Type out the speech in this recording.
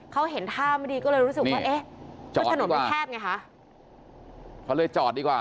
เขาเห็นท่ามันดีก็เลยรู้สึกว่าคือถนนมันแพบไงคะ